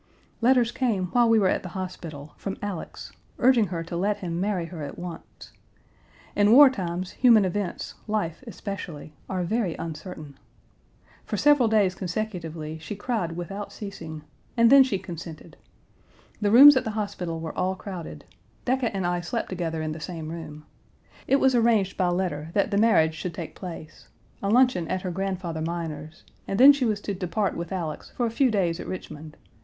"Letters came while we were at the hospital, from Alex, urging her to let him marry her at once. In war times human events, life especially, are very uncertain. "For several days consecutively she cried without ceasing, and then she consented. The rooms at the hospital Page 185 were all crowded. Decca and I slept together in the same room. It was arranged by letter that the marriage should take place; a luncheon at her grandfather Minor's, and then she was to depart with Alex for a few days at Richmond.